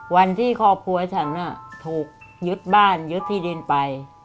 วันที่ครอบครัวฉันถูกยึดบ้านยึดที่ดินไป